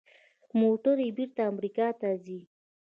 موټرې بیرته امریکا ته ځي.